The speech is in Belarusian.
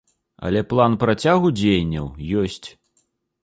Але план працягу дзеянняў ёсць.